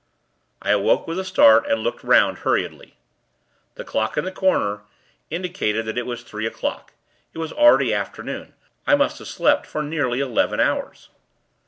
I awoke, with a start, and looked 'round, hurriedly. The clock in the corner, indicated that it was three o'clock. It was already afternoon. I must have slept for nearly eleven hours.